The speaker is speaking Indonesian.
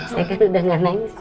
saya kan udah gak nangis